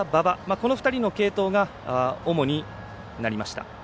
この二人の継投が主になりました。